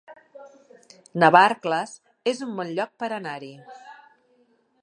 Navarcles es un bon lloc per anar-hi